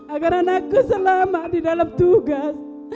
agar anakku selamat di dalam tugas